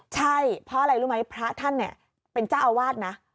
ใช่เพราะอะไรรู้ไหมพระท่านเนี่ยเป็นเจ้าอาวาสนะ